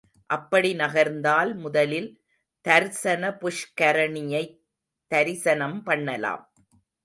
அப்படி நகர்ந்தால் முதலில் தர்சன புஷ்கரணியைத் தரிசனம் பண்ணலாம்.